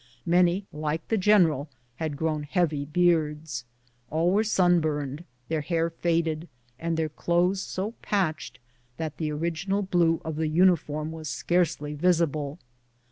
Many, like the general, had grown heavy beards. All were 8un burnt, their hair faded, and their clothes so patched that the original blue of the uniform was scarcely visi ble.